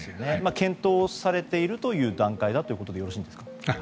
検討されている段階ということでよろしいんですか。